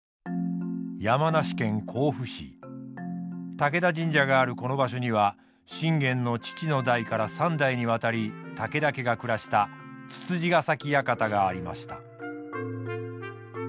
武田神社があるこの場所には信玄の父の代から三代にわたり武田家が暮らした躑躅ヶ崎館がありました。